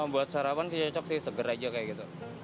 buat sarapan sih cocok sih seger aja kayak gitu